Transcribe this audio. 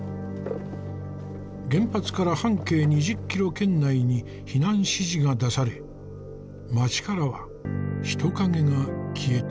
原発から半径２０キロ圏内に避難指示が出され町からは人影が消えた。